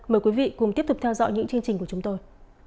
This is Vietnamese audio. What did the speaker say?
mời quý vị cùng tiếp tục theo dõi những chương trình của chúng tôi